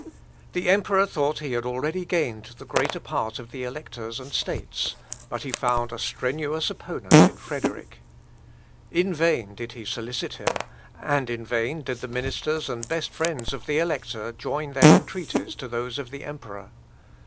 The Emperor thought he had already gained the greater part of the electors and states, but he found a strenuous opponent in Frederick. In vain did he solicit him, and in vain did the ministers and best friends of the Elector join their entreaties to those of the Emperor.